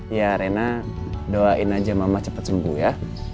iya rena doain aja mama cepet sembuh ya